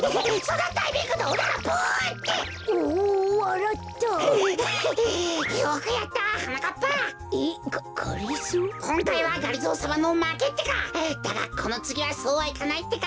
だがこのつぎはそうはいかないってか！